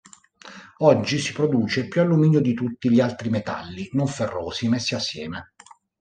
Oggi si produce più alluminio di tutti gli altri metalli non ferrosi messi assieme.